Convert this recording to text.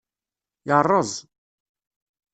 Yeṛṛeẓ.